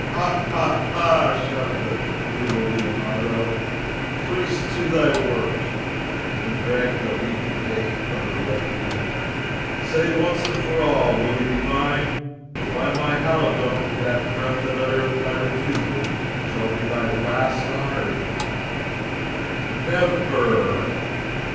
"Ha! ha! ha!" shouted the brutal Leonardo. "Priest, to thy work!" and he dragged the weeping dame from her refuge. "Say, once for all, will you be mine? for by my halidome, that breath that uttereth thy refusal shall be thy last on earth!" "NE VER?"